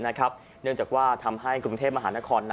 เนื่องจากว่าทำให้กรุงเทพมหานคร